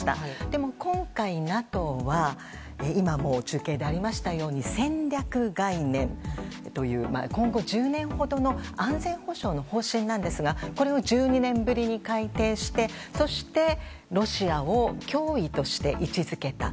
でも、今回ＮＡＴＯは今も中継でありましたように戦略概念という今後１０年ほどの安全保障の方針なんですがこれを１２年ぶりに改定してそして、ロシアを脅威として位置付けた。